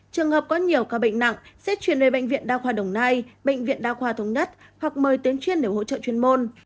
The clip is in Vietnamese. trường hợp có nhiều ca bệnh nặng sẽ chuyển về bệnh viện đa khoa đồng nai bệnh viện đa khoa thống nhất hoặc mời tuyến chuyên để hỗ trợ chuyên môn